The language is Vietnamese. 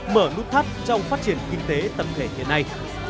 mở nút thắt trong phát triển kinh tế tầm kể thế này